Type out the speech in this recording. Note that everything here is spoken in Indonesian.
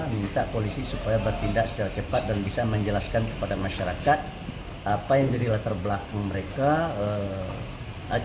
minta polisi supaya bertindak secara cepat dan bisa menjelaskan kepada masyarakat apa yang jadi latar belakang mereka